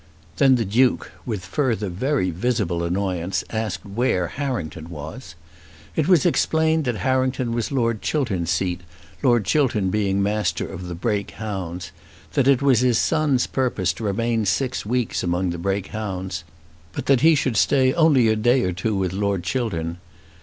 Then the Duke, with further very visible annoyance, asked where Harrington was. It was explained that Harrington was Lord Chiltern's seat, Lord Chiltern being the Master of the Brake hounds; that it was his son's purpose to remain six weeks among the Brake hounds, but that he should stay only a day or two with Lord Chiltern.